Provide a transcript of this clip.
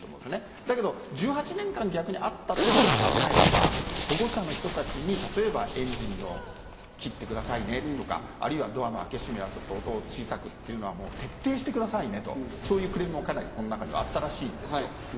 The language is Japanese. だけど１８年間あったということを考えれば、保護者の人たちに、例えばエンジンを切ってくださいねとか、ドアの開け閉めの音を小さくとか、徹底してくださいねとかいうクレームなどもあったようなんですよ。